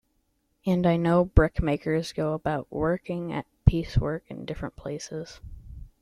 And I know brickmakers go about working at piecework in different places.